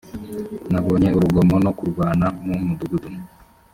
nabonye urugomo no kurwana mu mudugudu